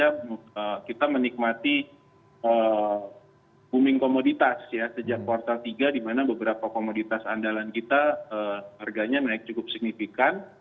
jadi kita bisa lihat di booming komoditas ya sejak kuartal tiga di mana beberapa komoditas andalan kita harganya naik cukup signifikan